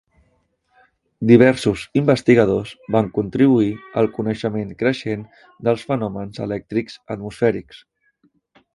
Diversos investigadors van contribuir al coneixement creixent dels fenòmens elèctrics atmosfèrics.